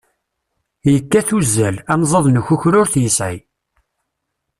Yekkat uzzal, anẓad n ukukru ur t-yesɛi.